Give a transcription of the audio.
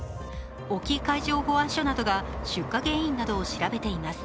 隠岐海上保安署などが出火原因などを調べています。